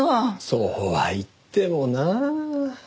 そうは言ってもなあ。